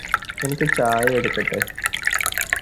നിനക്ക് ചായ എടുക്കട്ടേ?